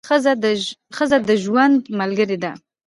ښځه د ژوند ملګرې ده.